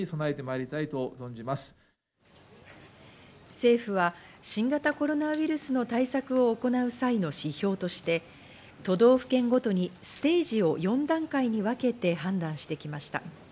政府は新型コロナウイルスの対策を行う際の指標として、都道府県ごとにステージを４段階に分けて判断してきました。